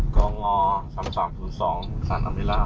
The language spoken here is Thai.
กลางวอร์๓๓๐๒สรรค์อัมิราศ